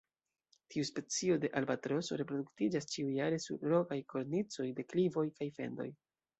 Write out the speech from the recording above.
Tiu specio de albatroso reproduktiĝas ĉiujare sur rokaj kornicoj, deklivoj, kaj fendoj.